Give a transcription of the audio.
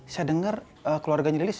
saya denger keluarganya juga berubah